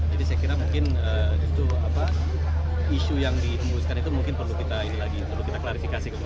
jadi saya kira mungkin isu yang ditemukan itu perlu kita klarifikasi kembali